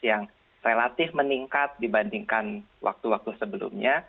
yang relatif meningkat dibandingkan waktu waktu sebelumnya